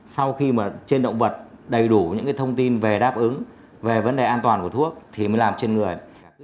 sau khi mà trên động vật đầy đủ những thông tin về đáp ứng về vấn đề an toàn của thuốc thì mới làm trên người